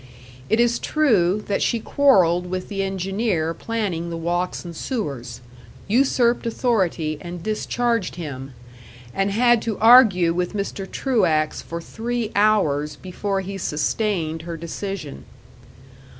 It is true that she quarreled with the engineer planning the walks and sewers, usurped authority and discharged him, and had to argue with Mr. Truax for three hours before he sustained her decision.